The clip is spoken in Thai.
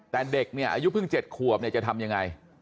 แต่เด็กเนี่ยอายุเพิ่ง๗ขวบจะทำยังไง